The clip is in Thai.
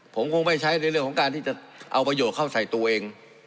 ผมคงไม่ใช้ในเรื่องของการที่จะเอาประโยชน์เข้าใส่ตัวเอง